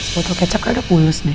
sebotol kecap kan udah pulus deh